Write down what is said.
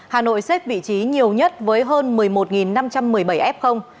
hà nội xếp vị trí nhiều nhất với hơn một mươi một năm trăm một mươi bảy f